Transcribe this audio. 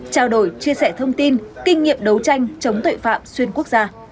trao đổi chia sẻ thông tin kinh nghiệm đấu tranh chống tội phạm xuyên quốc gia